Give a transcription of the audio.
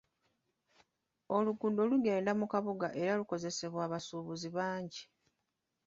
Oluguudo lugenda mu kabuga era likozesebwa abasuubuzi bangi.